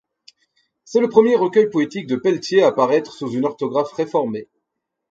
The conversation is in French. C'est le premier recueil poétique de Peletier à paraître sous une orthographe réformée.